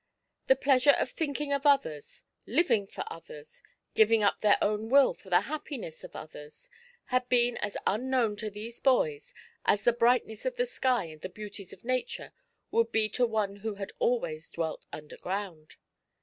The pleasure of thinking of others, living for others, giving up their own will for the happiness of others, had been as unknown to these boys as the brightness of the sky and the beauties of Nature would be to one who had always dwelt underground.